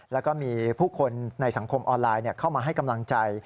แล้วก็มีผู้คนในสังคมออนไลน์เข้ามาให้กำลังใจ